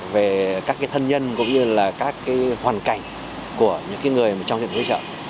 về các cái thân nhân cũng như là các cái hoàn cảnh của những cái người trong trường hợp hỗ trợ